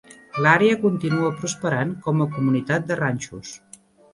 L'àrea continua prosperant com a comunitat de ranxos.